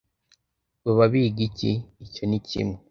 baba biga iki? icyo ni kimwe